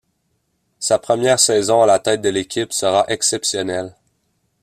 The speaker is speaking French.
Sa première saison à la tête de l’équipe sera exceptionnelle.